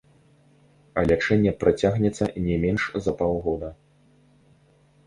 Лячэнне працягнецца не менш за паўгода.